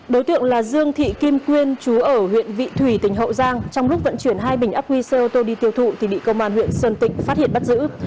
đối tượng là dương thị kim quyên chú ở huyện vị thủy tỉnh hậu giang trong lúc vận chuyển hai bình ấp quy xe ô tô đi tiêu thụ thì bị công an huyện sơn tịnh phát hiện bắt giữ